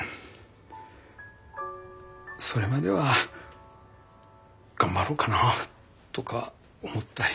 それまでは頑張ろうかなとか思ったり。